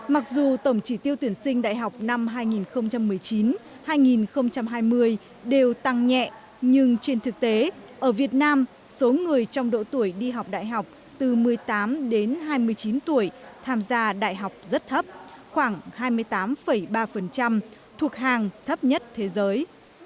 mặc dù tổng chỉ tiêu tuyển sinh đại học năm hai nghìn một mươi chín hai nghìn hai mươi đều tăng nhẹ nhưng trên thực tế ở việt nam số người trong độ tuổi đi học đại học từ một mươi tám đến hai mươi chín tuổi tham gia đại học rất thấp khoảng hai mươi tám ba thuộc hàng thấp nhất thế giới